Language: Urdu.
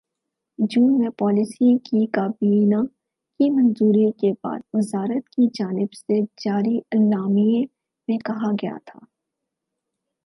جون میں پالیسی کی کابینہ کی منظوری کے بعد وزارت کی جانب سے جاری اعلامیے میں کہا گیا تھا